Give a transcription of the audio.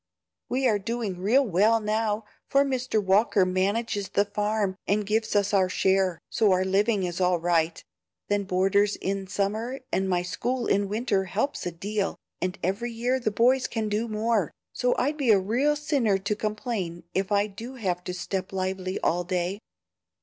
We are doing real well now, for Mr. Walker manages the farm and gives us our share, so our living is all right; then boarders in summer and my school in winter helps a deal, and every year the boys can do more, so I'd be a real sinner to complain if I do have to step lively all day."